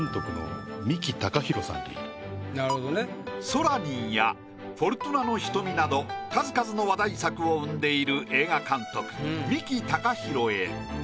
「ソラニン」や「フォルトゥナの瞳」など数々の話題作を生んでいる映画監督三木孝浩へ。